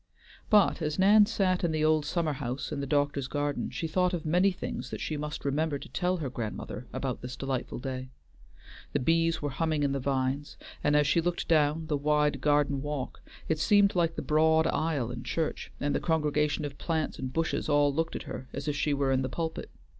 But as Nan sat in the old summer house in the doctor's garden, she thought of many things that she must remember to tell her grandmother about this delightful day. The bees were humming in the vines, and as she looked down the wide garden walk it seemed like the broad aisle in church, and the congregation of plants and bushes all looked at her as if she were in the pulpit.